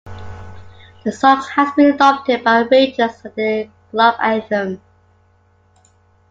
The song has been adopted by Rangers as their club anthem.